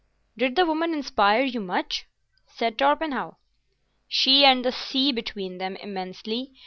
"Did the woman inspire you much?" said Torpenhow. "She and the sea between them—immensely.